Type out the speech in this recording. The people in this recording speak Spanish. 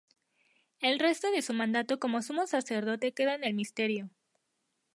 El resto de su mandato como sumo sacerdote queda en el misterio.